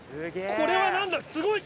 これは何だ？